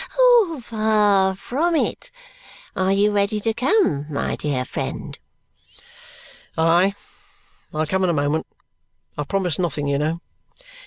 Far from it. Are you ready to come, my dear friend?" "Aye! I'll come in a moment. I promise nothing, you know."